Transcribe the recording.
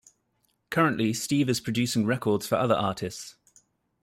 Currently Steve is producing records for other artists.